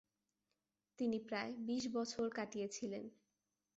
তিনি প্রায় বিশ বছর কাটিয়েছিলেন।